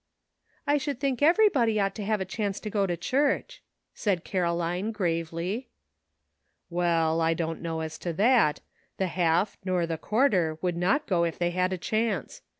86 " I should think everybody ought to have a chance to go to church," said Caroline gravely. "Well, I don't know as to that. The half nor the quarter would not go if they had a chance.